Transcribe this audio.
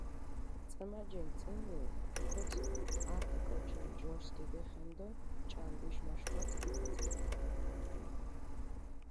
წჷმაჯინჷ წჷმიი დო ქოძირჷ, ართი კოჩი ნჯორსჷ ქიგეხენდო ჭანდიში მაშხვათჷ ქიმიძირე.